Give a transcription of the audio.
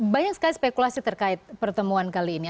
banyak sekali spekulasi terkait pertemuan kali ini